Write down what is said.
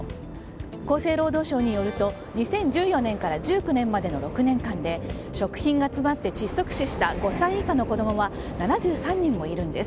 厚生労働省によると２０１４年から１９年までの６年間で食品が詰まって窒息死した５歳以下の子供は７３人もいるのです。